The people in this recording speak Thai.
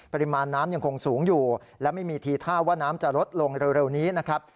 ปริมาณน้ำยังคงสูงอยู่และไม่มีทีท่าว่าน้ำจะลดลงเร็วนี้นะครับ